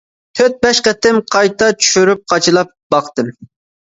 تۆت بەش قېتىم قايتا چۈشۈرۈپ قاچىلاپ باقتىم.